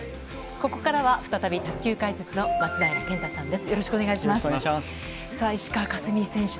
ここからは、再び卓球解説の松平健太さんです。